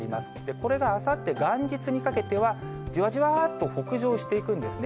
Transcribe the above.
これがあさって元日にかけては、じわじわっと北上していくんですね。